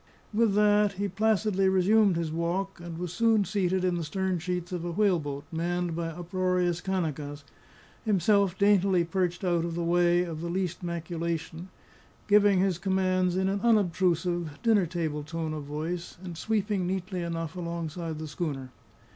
With that he placidly resumed his walk, and was soon seated in the stern sheets of a whaleboat manned by uproarious Kanakas, himself daintily perched out of the way of the least maculation, giving his commands in an unobtrusive, dinner table tone of voice, and sweeping neatly enough alongside the schooner.